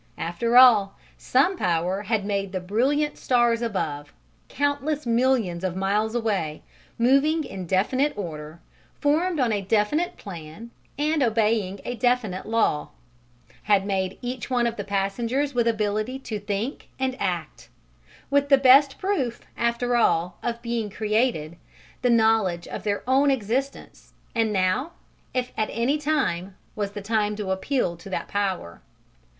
After all, some Power had made the brilliant stars above, countless millions of miles away, moving in definite order, formed on a definite plan and obeying a definite law: had made each one of the passengers with ability to think and act; with the best proof, after all, of being created the knowledge of their own existence; and now, if at any time, was the time to appeal to that Power.